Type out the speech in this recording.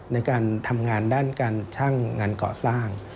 ในการทำงานด้านการช่างงานก่อสร้าง